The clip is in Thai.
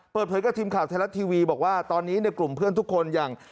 เปิดเผยกับทีมข่าวไทยรัฐทีวีบอกว่าตอนนี้ในกลุ่มเพื่อนทุกคนอย่าง